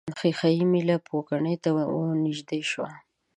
ښيښه یي میله پوکڼۍ ته نژدې شوه.